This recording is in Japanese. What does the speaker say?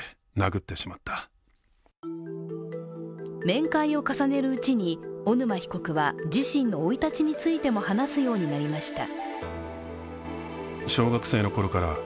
面会を重ねるうちに小沼被告は、自身の生い立ちについても話すようになりました。